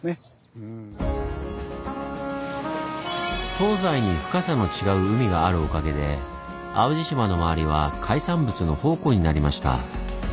東西に深さの違う海があるおかげで淡路島の周りは海産物の宝庫になりました。